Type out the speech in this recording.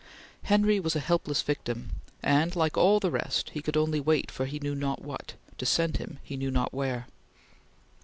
Henry was a helpless victim, and, like all the rest, he could only wait for he knew not what, to send him he knew not where.